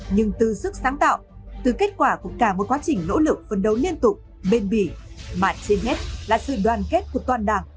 nhưng từ sức sáng tạo từ kết quả của cả một quá trình nỗ lực phân đấu liên tục bền bỉ mà trên hết là sự đoàn kết của toàn đảng